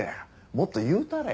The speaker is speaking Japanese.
もっと言うたれ。